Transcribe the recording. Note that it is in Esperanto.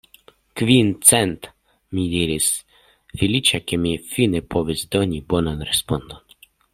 Kvin cent! mi diris, feliĉa, ke mi fine povis doni bonan respondon.